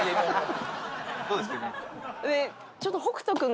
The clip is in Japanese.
どうですかね？